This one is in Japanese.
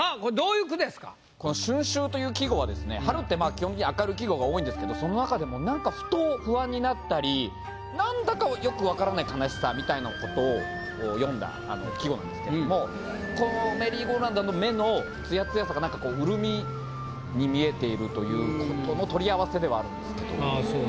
基本的に明るい季語が多いんですけどその中でもなんかふと不安になったりなんだかよく分からない悲しさみたいなことを詠んだ季語なんですけどもこのメリーゴーラウンドの目のツヤツヤさがなんかこう潤みに見えているということの取り合わせではあるんですけど。